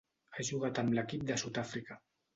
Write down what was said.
Ha jugat amb l'equip de Sud-àfrica.